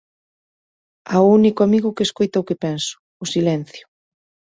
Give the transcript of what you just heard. Ao único amigo que escoita o que penso: o silencio.